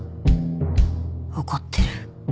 怒ってる